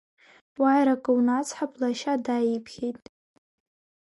Уааир акы унацҳап, лашьа дааиԥхьеит.